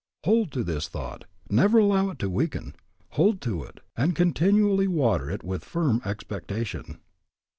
Hold to this thought, never allow it to weaken, hold to it, and continually water it with firm expectation.